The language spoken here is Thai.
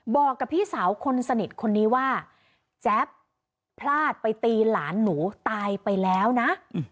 บอกกับพี่สาวคนสนิทคนนี้ว่าแจ๊บพลาดไปตีหลานหนูตายไปแล้วนะ